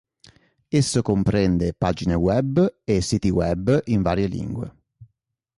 Esso comprende pagine web e siti web in varie lingue.